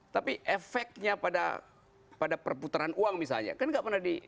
tapi efeknya pada perputaran uang misalnya kan nggak pernah di